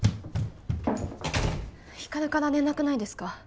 光琉から連絡ないですか？